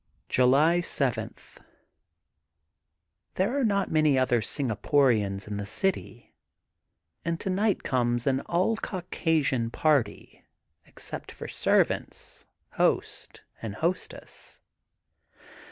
July 7: — There are not many other Singa porians in the city, and tonight comes an all Caucasian party except for servants, host and hostess.